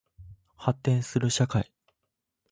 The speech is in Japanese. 発展する社会